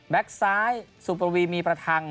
แบ็กซ้ายสุประวีมีประทัง